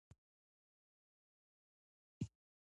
رڼا د ټولو رنګونو اصلي ښکلا ده.